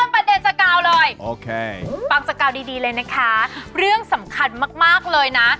ประเด็นจักราวเลยปังจักราวดีเลยนะคะเรื่องสำคัญมากเลยนะ